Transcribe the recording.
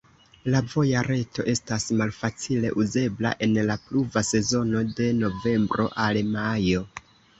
La voja reto estas malfacile uzebla en la pluva sezono de novembro al majo.